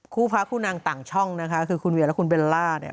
พระคู่นางต่างช่องนะคะคือคุณเวียและคุณเบลล่าเนี่ย